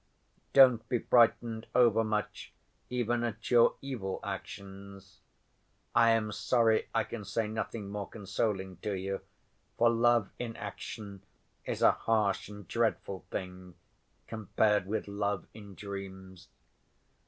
Don't be frightened overmuch even at your evil actions. I am sorry I can say nothing more consoling to you, for love in action is a harsh and dreadful thing compared with love in dreams.